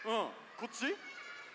こっち？